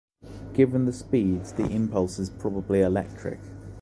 Given the speeds, the impulse is probably electric.